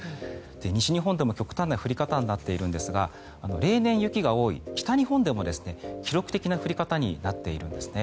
西日本でも極端な降り方となっているんですが例年、雪が多い北日本でも記録的な降り方になっているんですね。